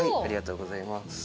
ありがとうございます。